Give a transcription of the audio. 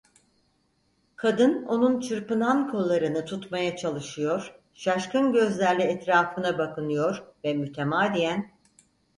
Kadın onun çırpınan kollarını tutmaya çalışıyor, şaşkın gözlerle etrafına bakınıyor ve mütemadiyen: